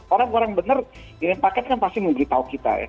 orang orang benar kirim paket kan pasti mau beritahu kita